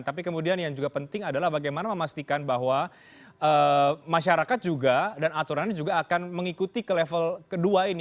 tapi kemudian yang juga penting adalah bagaimana memastikan bahwa masyarakat juga dan aturannya juga akan mengikuti ke level kedua ini